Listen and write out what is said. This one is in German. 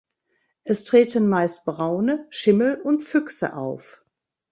Es treten meist Braune, Schimmel und Füchse auf.